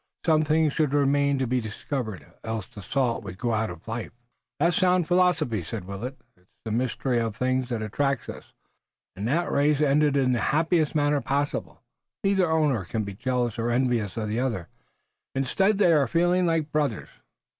Some things should remain to be discovered, else the salt would go out of life." "That's sound philosophy," said Willet. "It's the mystery of things that attracts us, and that race ended in the happiest manner possible. Neither owner can be jealous or envious of the other; instead they are feeling like brothers."